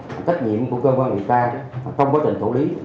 và trách nhiệm của cơ quan điều tra trong quá trình thủ lý